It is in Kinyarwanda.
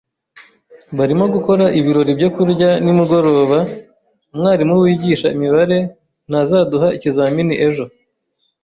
[barimo gukora ibirori byo kurya nimugoroba. Umwarimu wigisha imibare ntazaduha ikizamini ejo.